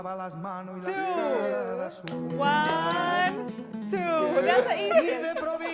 jadi kamu harus berdiri dan berdiri